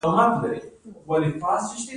د کوکو بټر د څه لپاره وکاروم؟